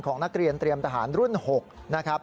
นักเรียนเตรียมทหารรุ่น๖นะครับ